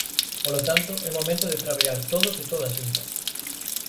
Polo tanto, é momento de traballar todos e todas xuntas.